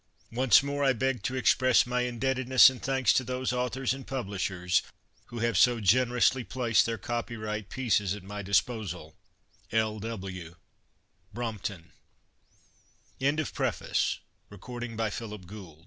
Once more I beg to express my indebtedness and thanks to those authors and publishers who have so generously placed their copyright pieces at my disposal. L. W. BROMPTON. CONTENTS. PAGE ACCOMPANIED ON THE FLUTE _F.